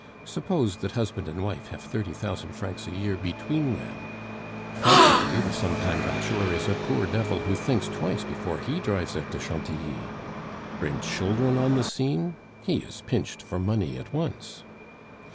Suppose that husband and wife have thirty thousand francs a year between them practically, the sometime bachelor is a poor devil who thinks twice before he drives out to Chantilly. Bring children on the scene he is pinched for money at once.